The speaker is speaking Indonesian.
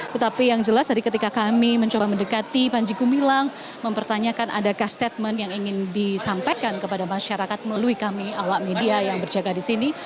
tetapi yang jelas tadi ketika kami mencoba mendekati panji gumilang mempertanyakan adakah statement yang ingin disampaikan kepada masyarakat melalui kami awak media yang berjaga di sini